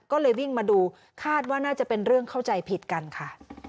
ก็เลยวิ่งมาดูคาดว่าน่าจะเป็นเรื่องเข้าใจผิดกันค่ะ